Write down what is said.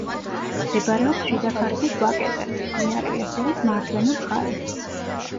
მდებარეობს შიდა ქართლის ვაკეზე, მდინარე ლეხურის მარჯვენა მხარეს.